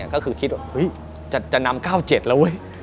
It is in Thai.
ก็คือคิดว่าจะนำ๙๗แล้วเว้ย